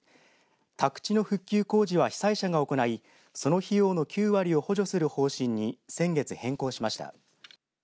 宅地の復旧工事は被災者が行いその費用の９割を補助する方針に先月変更しました。